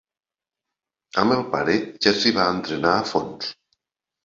Amb el pare ja s'hi va entrenar a fons.